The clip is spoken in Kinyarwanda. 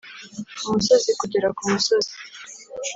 umusozi kugera kumusozi.